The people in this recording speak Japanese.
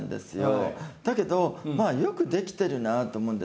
だけどまあよくできてるなと思うんですね。